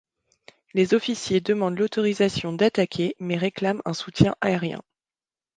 Les officiers demandent l'autorisation d'attaquer mais réclament un soutien aérien.